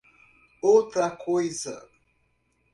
Outra coisa.